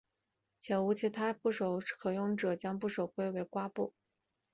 且无其他部首可用者将部首归为瓜部。